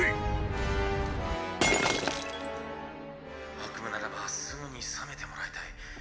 「悪夢ならばすぐに覚めてもらいたい。